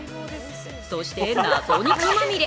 そして謎肉まみれ。